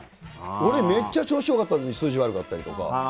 俺めっちゃ調子よかったのに数字悪かったりとか。